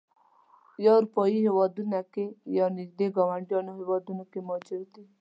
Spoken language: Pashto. یا اروپایي هېوادونو کې او یا نږدې ګاونډیو هېوادونو کې مهاجر دي.